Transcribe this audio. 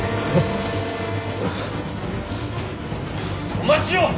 ・お待ちを！